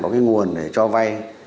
có cái nguồn để cho vai